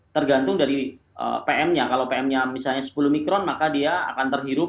tergantung dari pm nya kalau pm nya misalnya sepuluh mikron maka dia akan terhirup